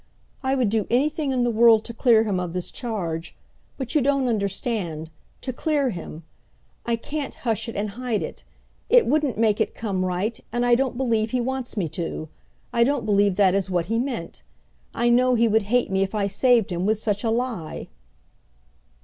I would do anything in the world to clear him of this charge. But you don't understand to clear him! I can't hush it and hide it. It wouldn't make it come right, and I don't believe he wants me to. I don't believe that is what he meant. I know he would hate me if I saved him with such a lie!"